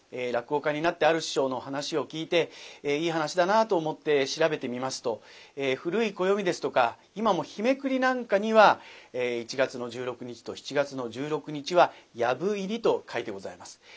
落語家になってある師匠の噺を聴いていい噺だなと思って調べてみますと古い暦ですとか今も日めくりなんかには１月の１６日と７月の１６日は「藪入り」と書いてございます。